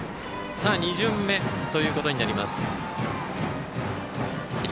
２巡目ということになります。